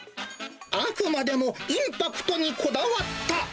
あくまでもインパクトにこだわった。